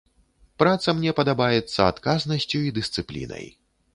Праца мне падабаецца адказнасцю і дысцыплінай.